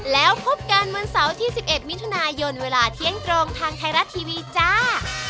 แล้วพบกันวันเสาร์ที่๑๑มิถุนายนเวลาเที่ยงตรงทางไทยรัฐทีวีจ้า